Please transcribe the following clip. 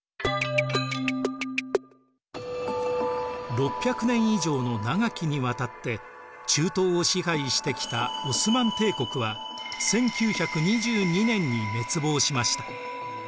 ６００年以上の長きにわたって中東を支配してきたオスマン帝国は１９２２年に滅亡しました。